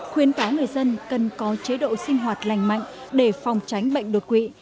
khuyến cáo người dân cần có chế độ sinh hoạt lành mạnh để phòng tránh bệnh đột quỵ